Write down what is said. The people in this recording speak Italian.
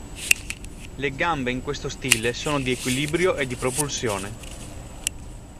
Le gambe in questo stile sono di equilibrio e di propulsione.